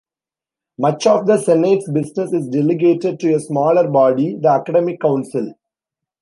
Much of the Senate's business is delegated to a smaller body, the Academic Council.